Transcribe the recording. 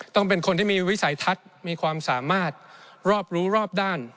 เป็นคนที่มีวิสัยทัศน์มีความสามารถรอบรู้รอบด้าน